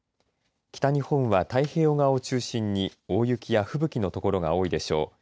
北日本は太平洋側を中心に大雪や吹雪の所が多いでしょう。